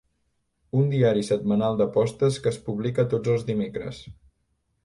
Un diari setmanal d'apostes que es publica tots els dimecres.